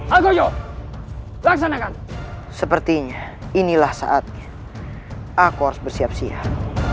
algoyo laksanakan sepertinya inilah saat aku harus bersiap siap